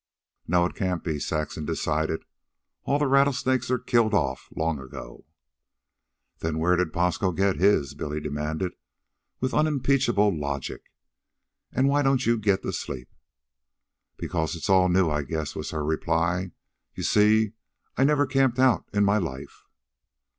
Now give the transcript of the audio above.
"No; it can't be," Saxon decided. "All the rattlesnakes are killed off long ago." "Then where did Bosco get his?" Billy demanded with unimpeachable logic. "An' why don't you get to sleep?" "Because it's all new, I guess," was her reply. "You see, I never camped out in my life."